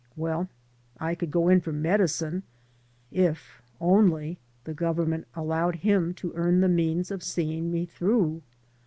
Well, I could go in for medicine, if only the Government allowed him to earn the means of seeing me through.